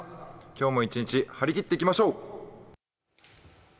今日も一日、張り切っていきましょう。